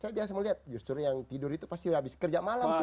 saya biasa melihat justru yang tidur itu pasti habis kerja malam tuh